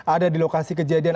ada di lokasi kejadian